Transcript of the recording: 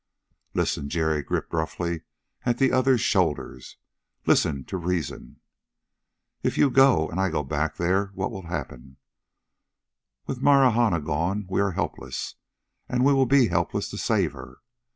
"Listen!" Jerry gripped roughly at the other's shoulder. "Listen to reason. "If you go and I go back there, what will happen? With Marahna gone we are helpless, and we will be helpless to save her.